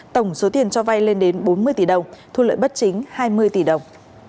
tổng số tiền cho vay lên đến bốn mươi tỷ đồng thu lợi bất chính hai mươi tỷ đồng